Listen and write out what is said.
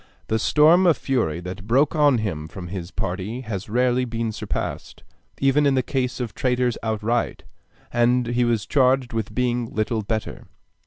The storm of fury that broke on him from his party has rarely been surpassed, even in the case of traitors outright, and he was charged with being little better.